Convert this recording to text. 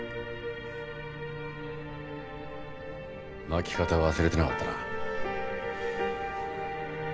巻き方忘れてなかったな。